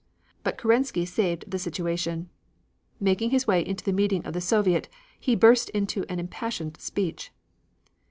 But Kerensky saved the situation. Making his way into the meeting of the Soviet he burst into an impassioned speech.